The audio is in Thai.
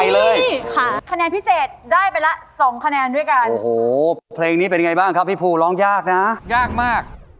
แล้วยิ่งต้นแบบเพราะทำไว้คือประทับใจทุกคน